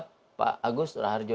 di bawah pak agus raharjo